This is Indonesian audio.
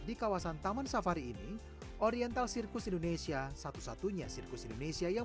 di kawasan taman safari ini oriental sirkus indonesia satu satunya sirkus indonesia yang